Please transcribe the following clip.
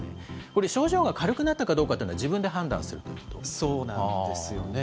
これ、症状が軽くなったかどうかというのは、自分で判断するということそうなんですよね。